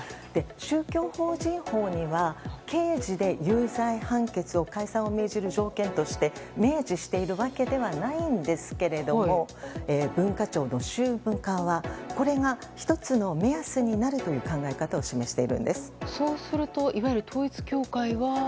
宗教法人法には刑事で有罪判決を解散を命じる条件として明示しているわけではないんですが文化庁の宗務課はこれが１つの目安になるというそうするといわゆる統一教会は。